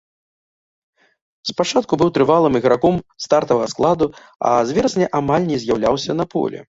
Спачатку быў трывалым іграком стартавага складу, а з верасня амаль не з'яўляўся на полі.